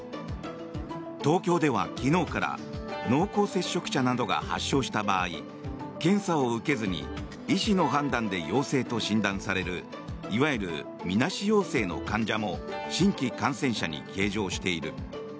東京では昨日から濃厚接触者などが発症した場合検査を受けずに医師の判断で陽性と診断されるいわゆるみなし陽性の患者も新規感染者に計上している。